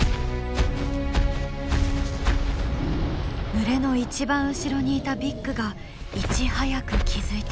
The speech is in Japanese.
群れの一番後ろにいたビッグがいち早く気付いた。